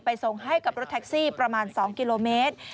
ส่งให้กับรถแท็กซี่ประมาณ๒กิโลเมตร